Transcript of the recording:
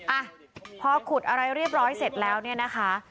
อ่ะพอขุดอะไรเรียบร้อยเสร็จแล้วเนี่ยนะคะ